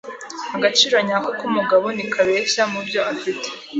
Agaciro nyako k'umugabo ntikabeshya mubyo afite.